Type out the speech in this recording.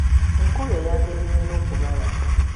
Enkuba eyamba ebimera okubala.